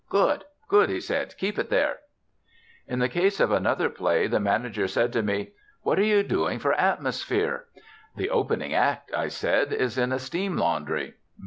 "Good, good," he said; "keep it there." In the case of another play the manager said to me, "What are you doing for atmosphere?" "The opening act," I said, "is in a steam laundry."